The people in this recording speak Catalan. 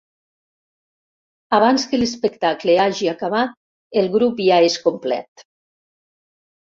Abans que l'espectacle hagi acabat, el grup ja és complet.